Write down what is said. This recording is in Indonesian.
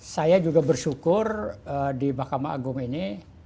saya juga bersyukur di mahkamah agung ini